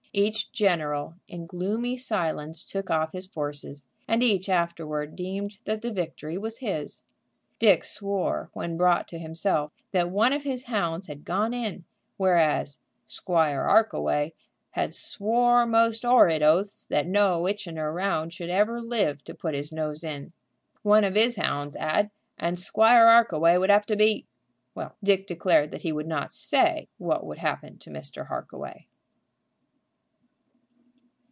Each general in gloomy silence took off his forces, and each afterward deemed that the victory was his. Dick swore, when brought to himself, that one of his hounds had gone in, whereas Squire 'Arkaway "had swore most 'orrid oaths that no 'Itchiner 'ound should ever live to put his nose in. One of 'is 'ounds 'ad, and Squire 'Arkaway would have to be " Well, Dick declared that he would not say what would happen to Mr. Harkaway.